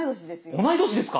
同い年ですか。